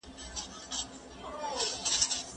زه لاس مينځلي دي!!